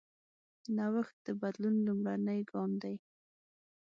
نوښت د بدلون لومړنی ګام دی.